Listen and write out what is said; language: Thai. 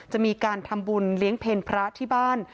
จะมีการทำบุญเลี้ยงเพลพระที่บ้าน